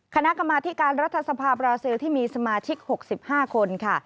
คณะกรรมาธิการรัฐสภาบราซิลที่มีสมาชิก๖๕คนค่ะ